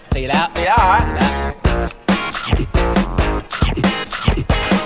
สีแล้วสีแล้วเหรอสีแล้ว